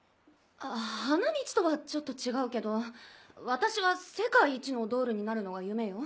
花道とはちょっと違うけど私は世界一のドールになるのが夢よ。